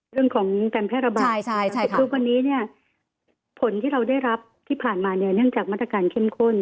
เรื่องของการแพร่ระบาดคือคนนี้เนี่ยผลที่เราได้รับที่ผ่านมาเนี่ยเนื่องจากมาตรการเข้มข้น